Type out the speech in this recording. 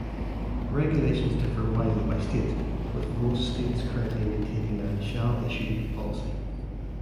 Regulations differ widely by state, with most states currently maintaining a "Shall-Issue" policy.